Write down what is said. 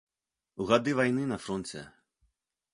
У гады вайны на фронце.